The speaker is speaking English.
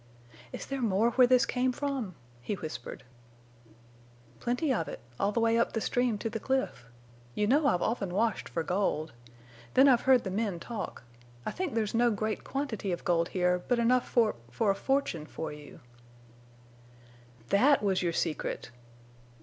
"Is there more where this came from?" he whispered. "Plenty of it, all the way up the stream to the cliff. You know I've often washed for gold. Then I've heard the men talk. I think there's no great quantity of gold here, but enough for—for a fortune for you." "That—was—your—secret!"